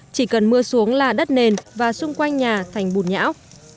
chỉ cần mưa xuống là đất nền và xung quanh nhà thành bùt nhão